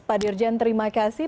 pak dirjen terima kasih